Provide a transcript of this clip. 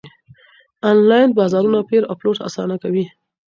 انلاين بازارونه پېر او پلور اسانه کوي.